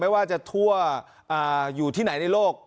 ว่าจะทั่วอยู่ที่ไหนในโลก